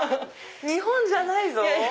日本じゃないぞ。